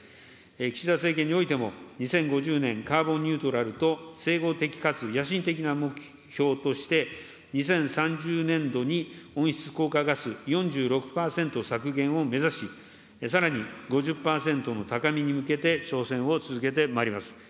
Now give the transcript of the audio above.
岸田政権においても、２０５０年カーボンニュートラルと、整合的かつ野心的な目標として、２０３０年度に温室効果ガス４６％削減を目指し、さらに５０％の高みに向けて挑戦を続けてまいります。